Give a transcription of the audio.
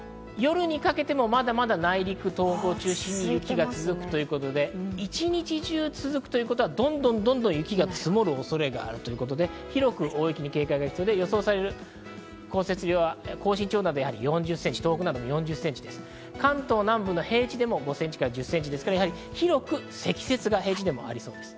夜にかけても、まだまだ内陸、東北を中心に雪が続くということで、一日中続くということは、どんどんどんどん雪が積もる恐れがあるということで広く大雪に警戒が必要で、予想される降雪量は甲信地方などで４０センチ、関東南部の平地でも５センチから１０センチですから広く積雪が平地でもありそうです。